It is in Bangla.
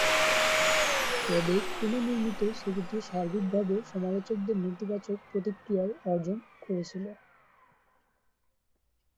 তবে পুনর্নির্মিত ছবিটি সার্বিকভাবে সমালোচকদের নেতিবাচক প্রতিক্রিয়ায় অর্জন করেছিল।